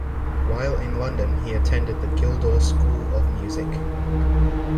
While in London he attended the Guildhall School of Music.